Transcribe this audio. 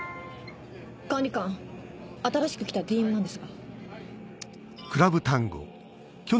管理官新しくきた ＤＭ なんですが。